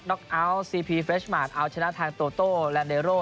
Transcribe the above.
ประสบการณ์ล้วนนะครับที่จะเอามาใช้บนวิทยาลัยให้หน่อยนะครับ